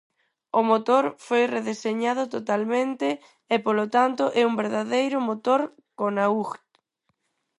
O motor foi redeseñado totalmente e polo tanto é un verdadeiro motor Connaught.